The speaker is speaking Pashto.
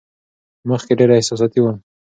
مخکې ډېره احساساتي وم.